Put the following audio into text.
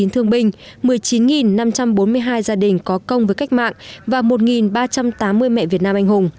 tám năm trăm chín mươi chín thương binh một mươi chín năm trăm bốn mươi hai gia đình có công với cách mạng và một ba trăm tám mươi mẹ việt nam anh hùng